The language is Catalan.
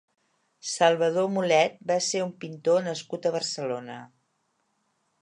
Salvador Molet va ser un pintor nascut a Barcelona.